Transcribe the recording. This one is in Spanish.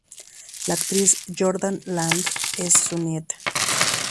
La actriz Jordan Ladd es su nieta.